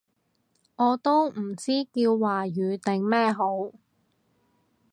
我都唔知叫華語定咩好